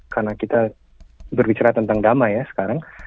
karena kita berbicara tentang damai ya sekarang